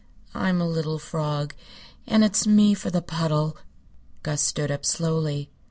I'm a little frog, and it's me for the puddle." Gus stood up slowly.